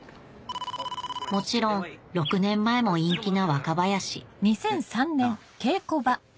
もちろん６年前も陰気な若林えっなぁ。